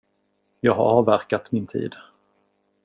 Jag har avverkat min tid.